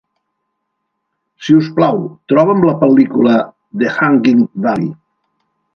Si us plau, troba'm la pel·lícula The Hanging Valley.